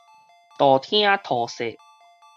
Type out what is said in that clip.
道聽塗說